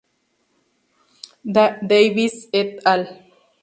Davis "et al.